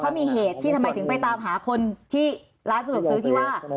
เขามีเหตุที่ทำไมถึงไปตามหาคนที่ร้านสะดวกซื้อที่ว่า